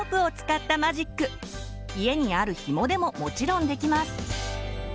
家にあるひもでももちろんできます。